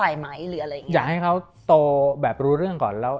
อยากให้เขาโตแบบรู้เรื่องก่อน